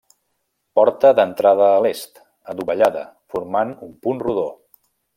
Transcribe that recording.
Porta d'entrada a l'est, adovellada, formant punt rodó.